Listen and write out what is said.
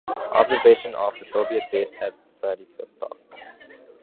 Observation off the Soviet base at Vladivostok.